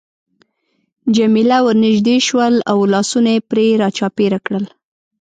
جميله ورنژدې شول او لاسونه يې پرې را چاپېره کړل.